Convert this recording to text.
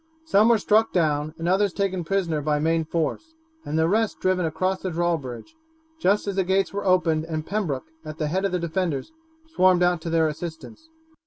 Some were struck down, others taken prisoners by main force, and the rest driven across the drawbridge, just as the gates were opened and Pembroke, at the head of the defenders, swarmed out to their assistance.